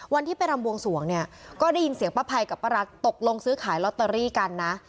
วันที่ไปรำบวงสวงเนี่ยก็ได้ยินเสียงป้าภัยกับป้ารักตกลงซื้อขายลอตเตอรี่กันนะ